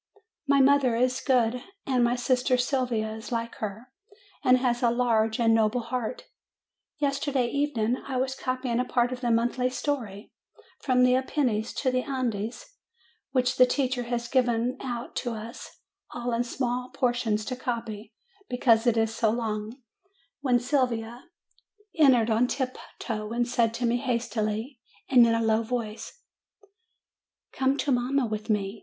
My mother is good, and my sister Sylvia is like her, and has a large and noble heart. Yesterday evening I was copying a part of the monthly story, From the Apennines to the Andes, which the teacher has given out to us all in small portions to copy, because it is so long, when Sylvia entered on tiptoe, and said to me hastily, and in a low voice : "Come to mamma with me.